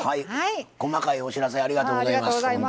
細かいお知らせありがとうございますほんとに。